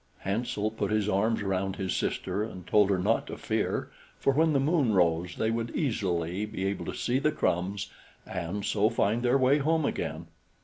Hansel put his arms round his sister and told her not to fear, for when the moon rose they would easily be able to see the crumbs, and so find their way home again.